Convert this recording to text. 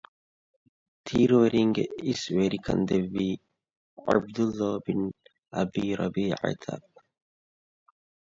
ތީރުވެރީންގެ އިސްވެރިކަން ދެއްވީ ޢަބްދުﷲ ބިން އަބީ ރަބީޢަތަށް